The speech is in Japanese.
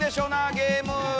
ゲーム。